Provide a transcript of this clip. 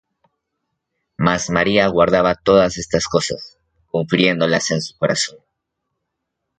Mas María guardaba todas estas cosas, confiriéndolas en su corazón.